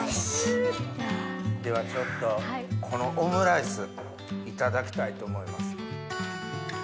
ではちょっとこのオムライスいただきたいと思います。